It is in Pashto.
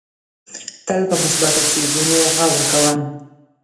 تل په مثبتو څیزونو غور کوم.